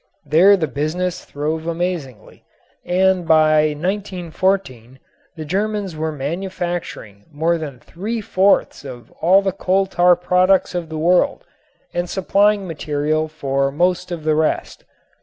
There the business throve amazingly, and by 1914 the Germans were manufacturing more than three fourths of all the coal tar products of the world and supplying material for most of the rest.